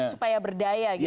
supaya berdaya gitu ya